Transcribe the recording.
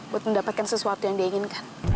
buat mendapatkan sesuatu yang dia inginkan